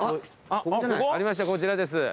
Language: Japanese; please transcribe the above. ありましたこちらです。